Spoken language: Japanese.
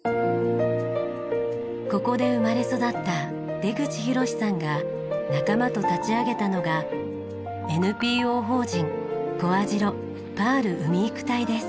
ここで生まれ育った出口浩さんが仲間と立ち上げたのがＮＰＯ法人小網代パール海育隊です。